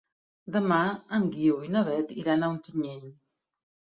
Demà en Guiu i na Beth iran a Ontinyent.